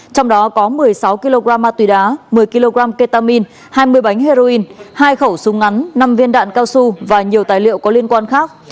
trong đó có một mươi sáu kg ma túy đá một mươi kg ketamine hai mươi bánh heroin hai khẩu súng ngắn năm viên đạn cao su và nhiều tài liệu có liên quan khác